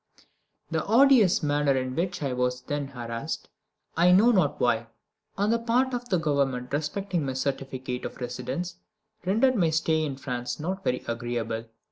The odious manner in which I was then harassed, I know not why, on the part of the Government respecting my certificate of residence, rendered my stay in France not very agreeable.